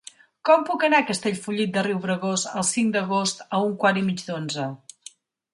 Com puc anar a Castellfollit de Riubregós el cinc d'agost a un quart i mig d'onze?